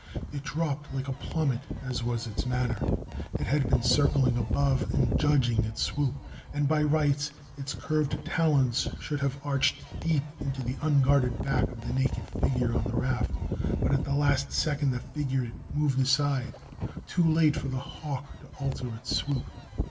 It dropped like a plummet, as was its manner. It had been circling above and judging its swoop, and by rights its curved talons should have arched deep into the unguarded back of the naked figure on the raft. But at the last second the figure moved aside too late for the hawk to alter its swoop.